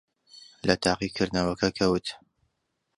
لە تاقیکردنەوەکە کەوت.